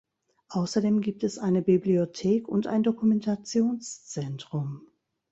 Außerdem gibt es eine Bibliothek und ein Dokumentationszentrum.